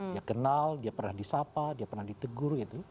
dia kenal dia pernah disapa dia pernah ditegur gitu